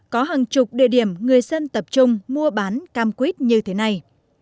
có hàng chục địa điểm người dân tập trung mua bán cam quýt như thế này